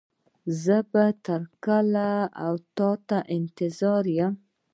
زه به تر کله و تا ته انتظار يم.